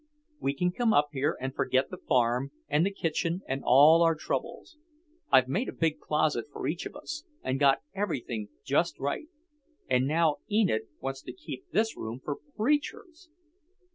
We can come up here and forget the farm and the kitchen and all our troubles. I've made a big closet for each of us, and got everything just right. And now Enid wants to keep this room for preachers!"